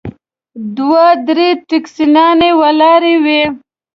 دوه درې ټیکسیانې ولاړې وې.